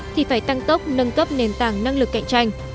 thì phải tăng tốc nâng cấp nền tảng năng lực cạnh tranh